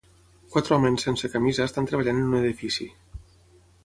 Quatre homes sense camisa estan treballant en un edifici.